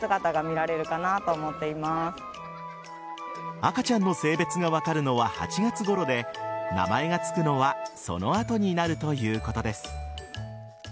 赤ちゃんの性別が分かるのは８月ごろで名前がつくのはその後になるということです。